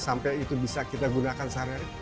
sampai itu bisa kita gunakan seharian